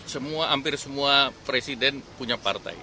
semua hampir semua presiden punya partai